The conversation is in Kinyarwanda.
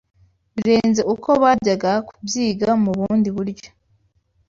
birenze uko bajyaga kubyiga mu bundi buryo